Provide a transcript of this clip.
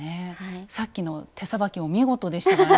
さっきの手さばきも見事でしたからね。